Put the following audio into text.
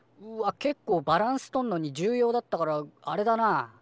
けっこうバランスとんのに重要だったからあれだな。